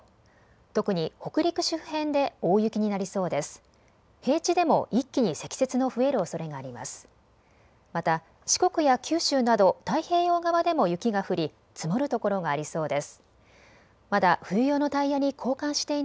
特に北陸周辺で大雪になりそうです。